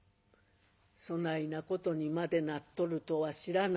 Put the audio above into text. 「そないなことにまでなっとるとは知らなんだ。